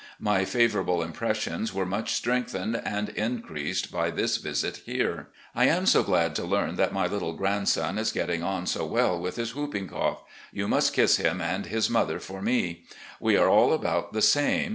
My favourable im pressions were much strengthened and increased by this visit here. " I am so glad to learn that my little grandson is getting on so well with his whooping cough. You must kiss him and his mother for me. We are all about the same.